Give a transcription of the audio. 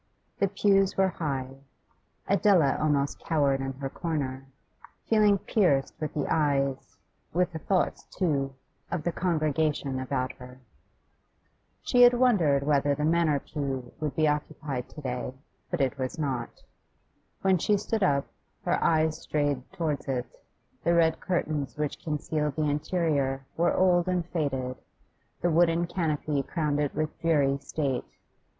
The pews were high; Adela almost cowered in her corner, feeling pierced with the eyes, with the thoughts too, of the congregation about her. She had wondered whether the Manor pew would be occupied to day, but it was not. When she stood up, her eyes strayed towards it; the red curtains which concealed the interior were old and faded, the wooden canopy crowned it with dreary state.